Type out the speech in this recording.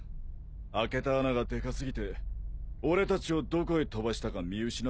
開けた穴がでかすぎて俺たちをどこへ飛ばしたか見失ったんだろ。